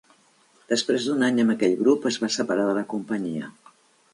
Després d'un any amb aquell grup es va separar de la companyia.